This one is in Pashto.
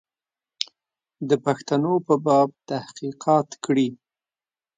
د پښتنو په باب تحقیقات کړي.